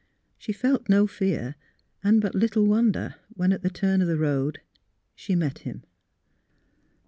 She felt no fear and but little wonder when at the turn of the road she met him.